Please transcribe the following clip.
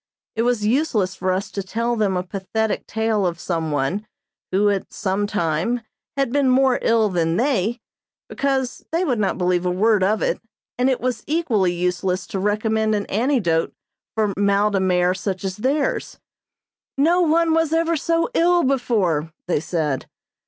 It was useless for us to tell them a pathetic tale of some one, who, at some time, had been more ill than they, because they would not believe a word of it, and it was equally useless to recommend an antidote for mal de mer such as theirs. "No one was ever so ill before," they said.